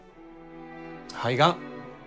肺がん。